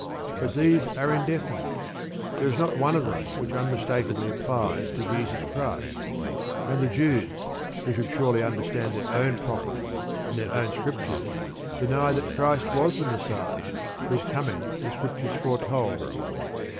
But these are indefinite. There is not one of them which unmistakably applies to Jesus Christ; and the Jews, who should surely understand their own prophets and their own Scriptures, deny that Christ was the Messiah whose coming the Scriptures foretold.